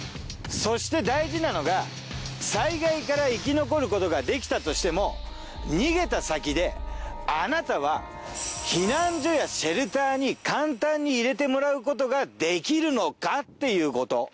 そして大事なのが災害から生き残ることができたとしても逃げた先であなたは避難所やシェルターに簡単に入れてもらうことができるのか？っていうこと。